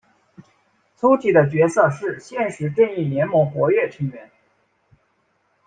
粗体的角色是现时正义联盟活跃成员。